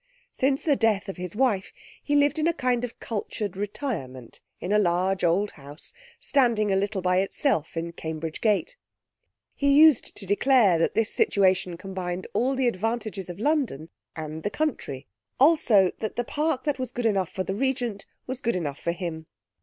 Since the death of his wife he lived in a kind of cultured retirement in a large old house standing a little by itself in Cambridge Gate. He used to declare that this situation combined all the advantages of London and the country, also that the Park that was good enough for the Regent was good enough for him.